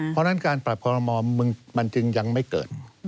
เพราะฉะนั้นการปรับคอลโมมันจึงยังไม่เกิด